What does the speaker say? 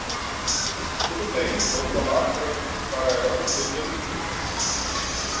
Tudo bem, vou falar para ela que você ligou.